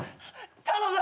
頼む！